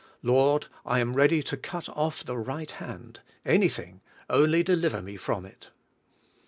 Lord, I am ready to cut off the right hand, anything, only deliver me from it."